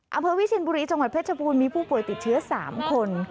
อำเภอวิเชียนบุรีจังหวัดเพชรบูรณมีผู้ป่วยติดเชื้อ๓คน